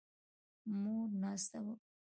موږ ناسته وکړه